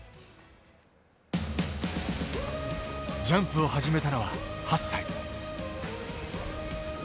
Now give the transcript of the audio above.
ジャンプを始めたのは８歳。